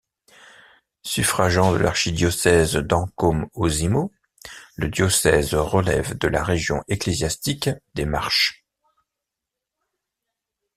Suffragant de l'archidiocèse d'Ancône-Osimo, le diocèse relève de la région ecclésiastique des Marches.